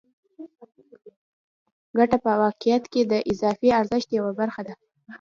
ګته په واقعیت کې د اضافي ارزښت یوه برخه ده